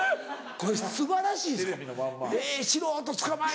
これ素晴らしいぞええ